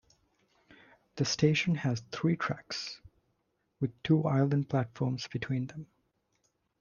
The station has three tracks, with two island platforms between.